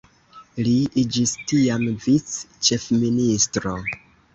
Li iĝis tiam vic-ĉefministro.